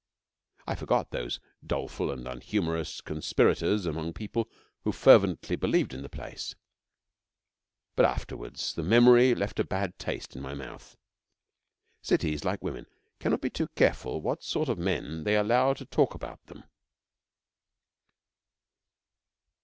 I forgot those doleful and unhumorous conspirators among people who fervently believed in the place; but afterwards the memory left a bad taste in my mouth. Cities, like women, cannot be too careful what sort of men they allow to talk about them.